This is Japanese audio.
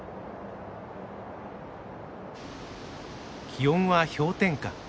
気温は氷点下。